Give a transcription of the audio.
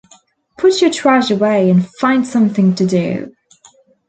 Put your trash away, and find something to do.